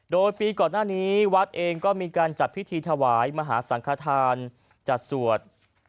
โดยปีก่อนหน้านี้วัดเองก็มีการจัดพิธีถวายมหาสังคทานจัดสวด